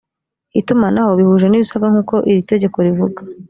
itumanaho bihuje n ibisabwa nk uko iri tegeko rivuga